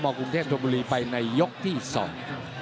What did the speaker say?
กรุงเทพธมบุรีไปในยกที่สอง